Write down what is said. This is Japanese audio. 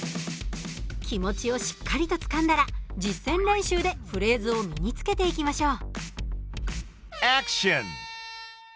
気持ちをしっかりとつかんだら実戦練習でフレーズを身につけていきましょう。